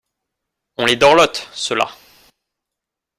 On les dorlote, ceux-là !…